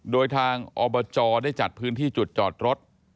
โดยทางอบจได้จัดพื้นที่จุดจอดรถ